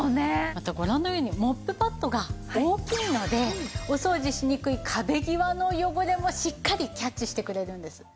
あとご覧のようにモップパッドが大きいのでお掃除しにくい壁際の汚れもしっかりキャッチしてくれるんです。